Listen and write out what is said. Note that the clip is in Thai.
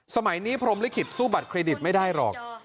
สมัยนี้พรมลิขิตสู้บัตรเครดิตไม่ได้หรอก